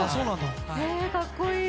かっこいい。